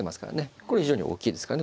これ非常に大きいですからね